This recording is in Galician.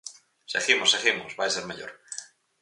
Seguimos, seguimos, vai ser mellor.